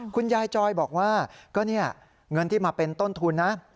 คุณยายจอยบอกว่าก็เนี่ยเงินที่มาเป็นต้นทุนนะ